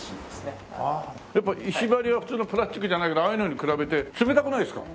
やっぱ石張りは普通のプラスチックじゃないけどああいうのに比べて冷たくないですか？